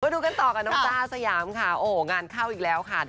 กลับมาดูกันต่อกับน้องต้าสยามงานข้าวอีกแล้วค่ะ